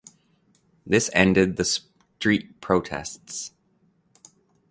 This ended the street protests.